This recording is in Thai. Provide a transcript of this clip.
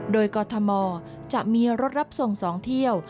โดยกรทมจะมีรถรับส่ง๒เที่ยว